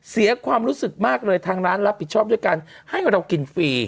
เสียความรู้สึกมากเลยทางร้านรับผิดชอบด้วยการให้เรากินฟรี